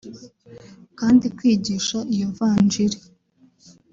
Kandi kwigisha iyo vanjiri